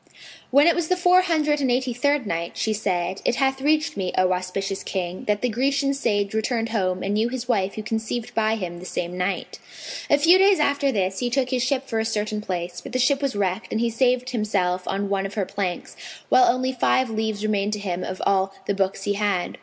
When it was the Four Hundred and Eighty third Night, She said, It hath reached me, O auspicious King, that the Grecian sage returned home and knew his wife who conceived by him the same night. A few days after this he took ship for a certain place, but the ship was wrecked and he saved himself on one of her planks, while only five leaves remained to him of all the books he had.